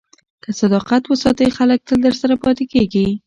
که صداقت وساتې، خلک تل درسره پاتې کېږي.